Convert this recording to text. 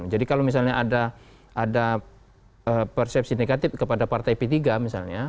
jadi kalau misalnya ada persepsi negatif kepada partai p tiga misalnya